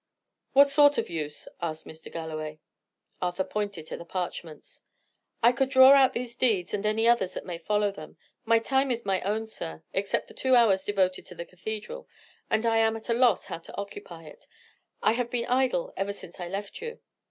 "What sort of use?" asked Mr. Galloway. Arthur pointed to the parchments. "I could draw out these deeds, and any others that may follow them. My time is my own, sir, except the two hours devoted to the cathedral, and I am at a loss how to occupy it. I have been idle ever since I left you."